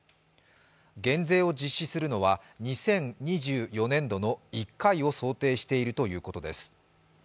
減税を実施するのは２０２４年度の１回を想定しているということです。